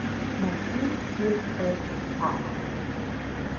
Martín-Gil et al.